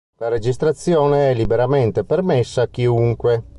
La registrazione è liberamente permessa a chiunque.